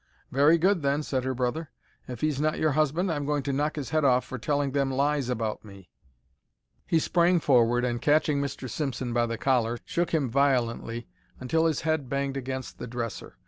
"Very good, then," said her brother. "If he's not your husband I'm going to knock his head off for telling them lies about me." He sprang forward and, catching Mr. Simpson by the collar, shook him violently until his head banged against the dresser.